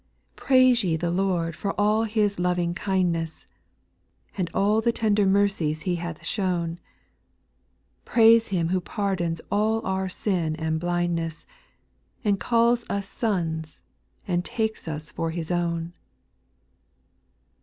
2. Praise ye the Lord for all His loving kind ness, And all the tender mercies He hath shewn ; Praise Him who pardons all our sin and blindness, And calls us sons, and takes us for His own.